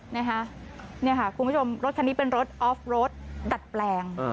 นี่ค่ะคุณผู้ชมรถคันนี้เป็นรถออฟรถดัดแปลง